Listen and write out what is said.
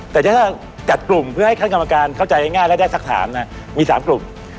แต่ถ้าจัดกลุ่มเพื่อให้ท่านกรรมการเข้าใจง่ายและได้สักถามมี๓กลุ่ม